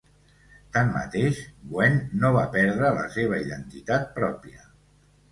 Tanmateix, Gwent no va perdre la seva identitat pròpia.